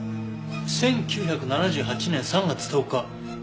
「１９７８年３月１０日死亡確認」